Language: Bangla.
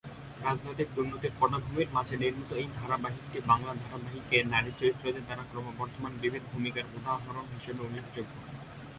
রাজনৈতিক দুর্নীতির পটভূমির মাঝে নির্মিত এই ধারাবাহিকটি বাংলা ধারাবাহিকে নারী চরিত্রদের দ্বারা ক্রমবর্ধমান বিবিধ ভূমিকার উদাহরণ হিসাবে উল্লেখযোগ্য।